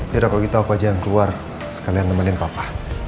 jadi apa kita apa aja yang keluar sekalian nemenin papa